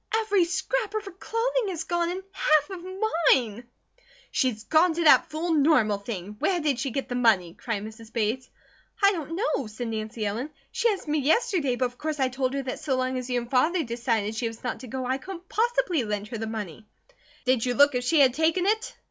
"Every scrap of her clothing is gone, and half of mine!" "She's gone to that fool Normal thing! Where did she get the money?" cried Mrs. Bates. "I don't know!" said Nancy Ellen. "She asked me yesterday, but of course I told her that so long as you and Father decided she was not to go, I couldn't possibly lend her the money." "Did you look if she had taken it?"